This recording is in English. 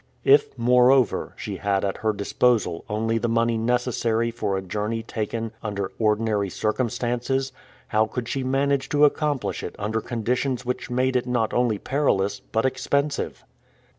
If, moreover, she had at her disposal only the money necessary for a journey taken under ordinary circumstances, how could she manage to accomplish it under conditions which made it not only perilous but expensive?